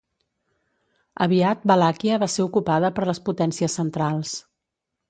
Aviat Valàquia va ser ocupada per les Potències Centrals.